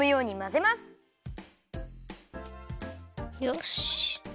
よし。